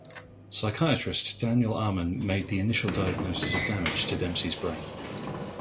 Psychiatrist Daniel Amen made the initial diagnosis of damage to Dempsey's brain.